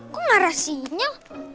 kok marah sinyal